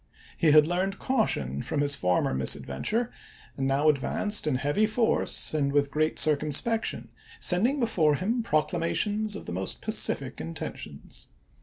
He had learned caution from his former misadventure, and now advanced in heavy force and with great cir cumspection, sending before him proclamations of the most pacific intentions.